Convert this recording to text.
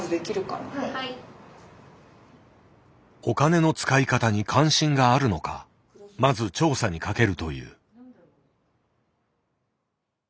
「お金の使い方」に関心があるのかまず調査にかけるという。